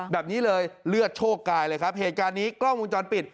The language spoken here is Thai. แบบนี้เลยเลือดโชคกายเลยครับเหตุการณ์นี้กล้องวงจรปิด